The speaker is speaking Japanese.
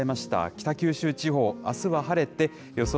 北九州地方、あすは晴れて予想